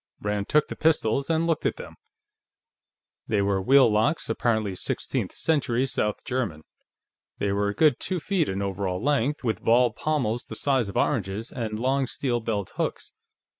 Rand took the pistols and looked at them. They were wheel locks, apparently sixteenth century South German; they were a good two feet in over all length, with ball pommels the size of oranges, and long steel belt hooks.